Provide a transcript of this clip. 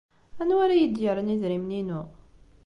Anwa ara iyi-d-yerren idrimen-inu?